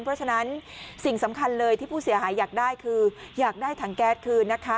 เพราะฉะนั้นสิ่งสำคัญเลยที่ผู้เสียหายอยากได้คืออยากได้ถังแก๊สคืนนะคะ